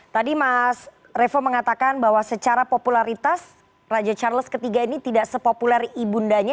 tadi mas revo mengatakan bahwa secara popularitas raja charles iii ini tidak sepopuler ibundanya